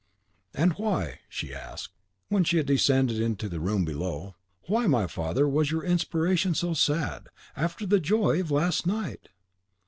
"And why," she asked, when she descended to the room below, "why, my father, was your inspiration so sad, after the joy of last night?"